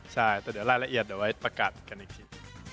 ใช่แต่เดี๋ยวรายละเอียดเดี๋ยวไว้ประกาศกันอีกที